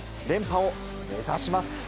連覇を目指します。